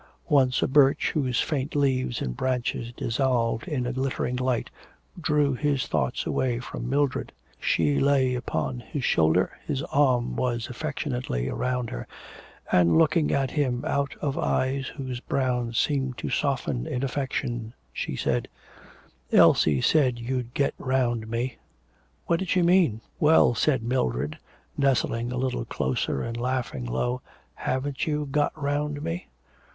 Once a birch, whose faint leaves and branches dissolved in a glittering light, drew his thoughts away from Mildred. She lay upon his shoulder, his arm was affectionately around her, and, looking at him out of eyes whose brown seemed to soften in affection, she said: 'Elsie said you'd get round me.' 'What did she mean?' 'Well,' said Mildred, nestling a little closer, and laughing low, 'haven't you got round me?'